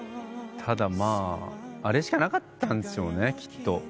ただまああれしかなかったんすよねきっと。